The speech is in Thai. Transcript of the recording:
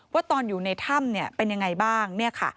ว่าตอนอยู่ในถ้ำเป็นยังไงบ้าง